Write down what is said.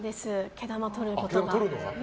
毛玉とることが。